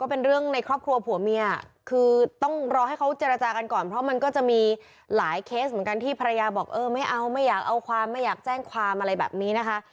บอกเออไม่เอาไม่อยากเอาความไม่อยากแจ้งความอะไรแบบนี้นะคะ